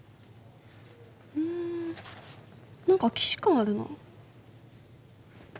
うん何か既視感あるなあ